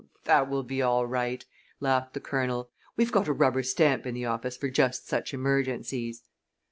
"Oh, that will be all right," laughed the Colonel. "We've got a rubber stamp in the office for just such emergencies."